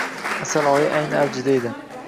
Asal oyi ayni avjida edi